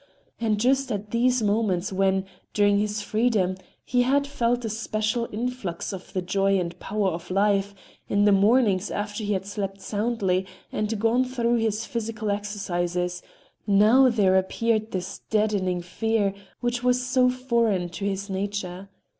And just at those moments when, during his freedom, he had felt a special influx of the joy and power of life,—in the mornings after he had slept soundly and gone through his physical exercises,—now there appeared this deadening fear which was so foreign to his nature.